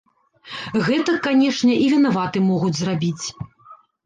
Гэтак, канешне, і вінаватым могуць зрабіць.